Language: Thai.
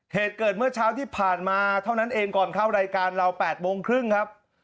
เหตุเกิดเมื่อเช้าที่ผ่านมาเท่านั้นเองก่อนเข้ารายการเรา๘โมงครึ่งครับ